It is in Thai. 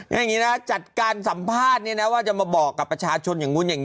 อย่างนี้นะจัดการสัมภาษณ์เนี่ยนะว่าจะมาบอกกับประชาชนอย่างนู้นอย่างนี้